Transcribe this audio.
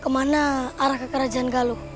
kemana arah ke kerajaan galuh